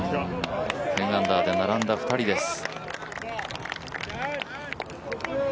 １０アンダーで並んだ２人です